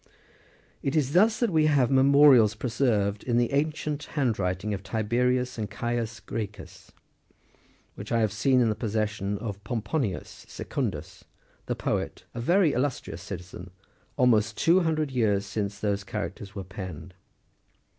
It is thus that we have memorials preserved in the ancient handwriting of Tiberius and Caius Gracchus, which I have seen in the possession of Pomponius Secundus,28 the poet, a very illustrious citizen, almost two hundred years since those characters were penned.